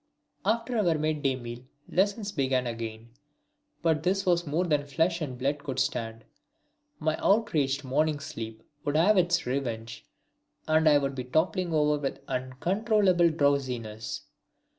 After our midday meal lessons began again. But this was more than flesh and blood could stand. My outraged morning sleep would have its revenge and I would be toppling over with uncontrollable drowsiness.